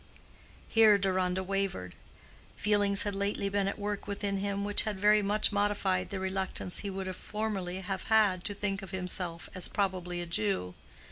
Here Deronda wavered. Feelings had lately been at work within him which had very much modified the reluctance he would formerly have had to think of himself as probably a Jew.